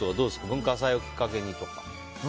文化祭をきっかけにとか。